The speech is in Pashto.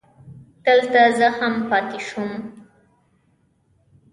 دلته زه هم پاتې شوم.